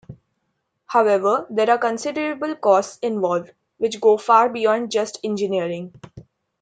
However, there are considerable costs involved, which go far beyond just engineering.